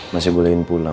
masih bolehin pulang